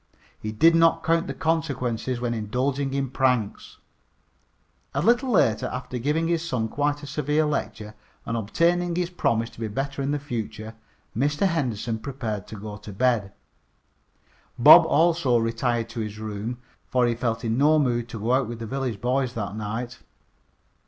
He did not count the consequences when indulging in pranks. A little later, after giving his son quite a severe lecture, and obtaining his promise to be better in the future, Mr. Henderson prepared to go to bed. Bob also retired to his room, for he felt in no mood to go out with the village boys that night.